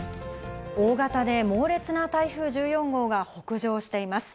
大型で猛烈な台風１４号が北上しています。